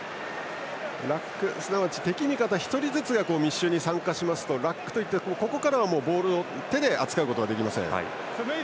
ラック、すなわち敵味方１人ずつが密集に参加しますとラックといってここからはボールを手で扱うことができません。